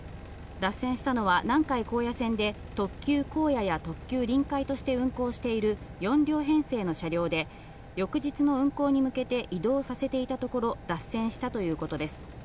脱線したのは南海高野線で特急こうやや特急りんかいとして運行している４両編成の車両で、翌日の運行に向けて移動させていたところ、脱線したということです。